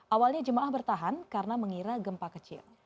awalnya jemaah bertahan karena mengira gempa kecil